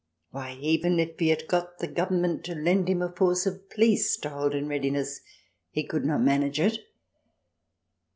Why, even if he had got the Government to lend him a force of police to hold in readiness he could not manage it